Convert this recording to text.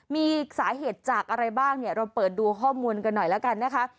มีสาเหตุจากอะไรบ้างเนี่ยเราเปิดดูข้อมูลกันหน่อยแล้วกันนะคะ